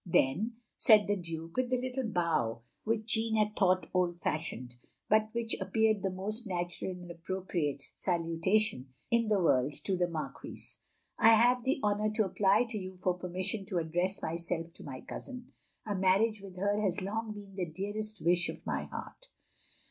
"Then—" said the Duke, with the little bow which Jeanne had thought old fashioned, but which appeared the most natural and appropri ate salutation in the worid to the Marquise, " I have the honour to apply to you for permission to address myself to my cousin. A marriage with her has long been the dearest wish of my heart."